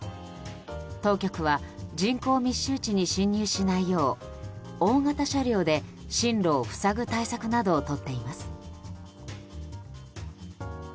当局は、人口密集地に侵入しないよう大型車両で進路を塞ぐ対策などをとっています。